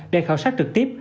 để khảo sát trực tiếp